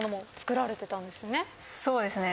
そうですね。